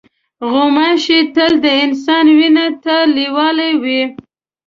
غوماشې تل د انسان وینې ته لیواله وي.